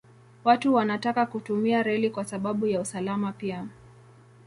Watu wanataka kutumia reli kwa sababu ya usalama pia.